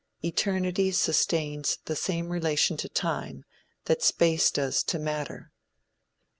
Eternity sustains the same relation to time that space does to matter.